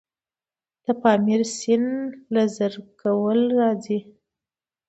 د پامیر سیند له زرکول راځي